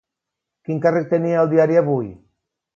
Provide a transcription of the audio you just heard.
Quin càrrec tenia al diari Avui?